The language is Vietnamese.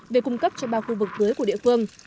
về cung cấp cho ba khu vực tưới của địa phương